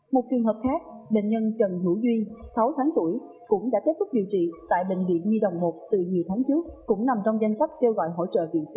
một trường hợp khác bệnh nhân trần hữu duy sáu tháng tuổi cũng đã kết thúc điều trị tại bệnh viện nhi đồng một từ nhiều tháng trước cũng nằm trong danh sách kêu gọi hỗ trợ viện phí